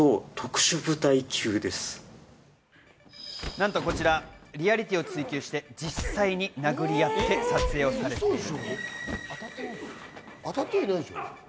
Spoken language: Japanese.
なんとこちら、リアリティーを追求して実際に殴り合って撮影されています。